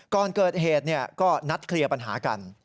ก่อนเกิดเหตุก็นัดเคลียร์ปัญหากัน